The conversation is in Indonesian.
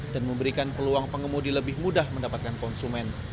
dan memberikan peluang pengemudi lebih mudah mendapatkan konsumen